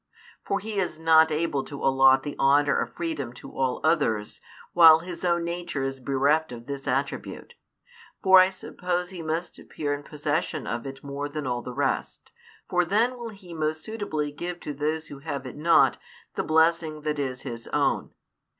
For He is not able to allot the honour of freedom to all others, while His own Nature is bereft of this attribute. For I suppose He must appear in possession of it more than all the rest, for then will He most suitably give to those who have it not the blessing that is His own.